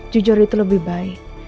jujur itu lebih baik